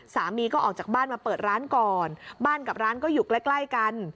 สามีก็ออกจากบ้านมาเปิดร้านก่อนบ้านกับร้านก็อยู่ใกล้ใกล้กัน